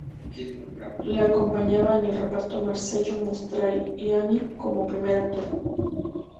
Le acompañaba en el reparto Marcello Mastroianni como primer actor.